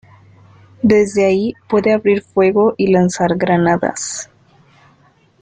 Desde ahí, puede abrir fuego y lanzar granadas.